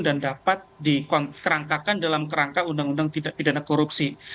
dan dapat dikerangkakan dalam kerangka undang undang pidana korupsi